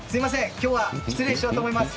今日は失礼しようと思います。